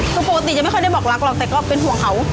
คือปกติยังไม่ค่อยได้บอกรักหรอกแต่ก็เป็นห่วงเขา